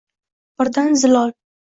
birdan zilol